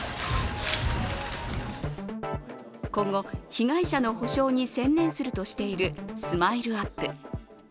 今後、被害者の補償に専念するとしているＳＭＩＬＥ−ＵＰ．。